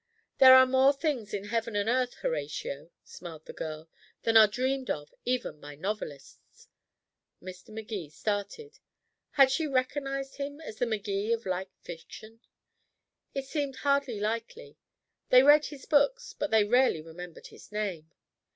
"There are more things in heaven and earth, Horatio," smiled the girl, "than are dreamed of, even by novelists." Mr. Magee started. Had she recognized him as the Magee of light fiction? It seemed hardly likely; they read his books, but they rarely remembered his name.